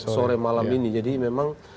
sore malam ini jadi memang